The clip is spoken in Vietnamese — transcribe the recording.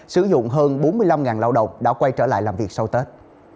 sử dụng hơn bốn mươi năm lao động đã quay trở lại làm việc sau tết